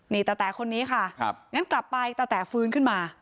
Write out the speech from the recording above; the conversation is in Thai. นี่ตะแต๋คนนี้ค่ะงั้นกลับไปตะแต๋ฟื้นขึ้นมา